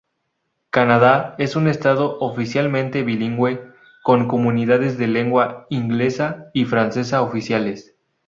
Canadá es un estado oficialmente bilingüe, con comunidades de lengua inglesa y francesa oficiales.